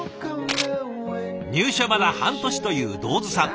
入社まだ半年という道頭さん。